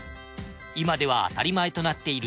今では当たり前となっている